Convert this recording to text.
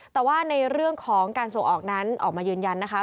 แต่ว่าในเรื่องของการส่งออกนั้นออกมายืนยันนะคะ